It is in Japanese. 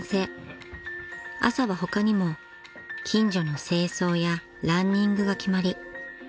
［朝は他にも近所の清掃やランニングが決まり］